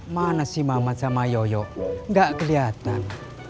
mana si mamat sama yoyo nggak kelihatan